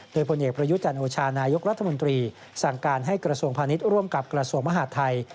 โดยผลเอกประยุจันโอชานายกรัฐมนตรีสั่งการให้กระทรวงพาณิชย์ร่วมกับกระทรวงมหาดไทย